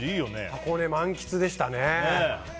箱根満喫でしたね。